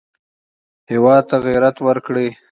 هېواد ته غیرت ورکړئ